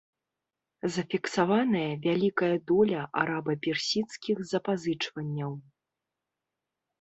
Зафіксаваная вялікая доля араба-персідскіх запазычванняў.